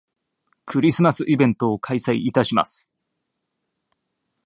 クリスマスイベントを開催いたします